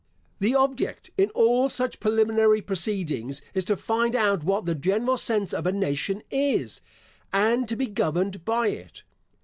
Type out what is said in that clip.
The object, in all such preliminary proceedings, is to find out what the general sense of a nation is, and to be governed by it.